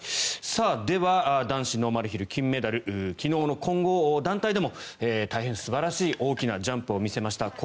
では、男子ノーマルヒル金メダル昨日の混合団体でも大変素晴らしい大きなジャンプを見せました。